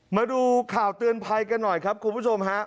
มาดูข่าวเตือนภัยกันหน่อยครับคุณผู้ชมฮะ